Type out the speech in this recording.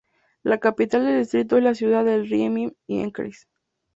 La capital del distrito es la ciudad de Ried im Innkreis.